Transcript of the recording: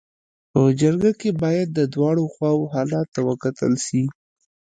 په جرګه کي باید د دواړو خواو حالت ته وکتل سي.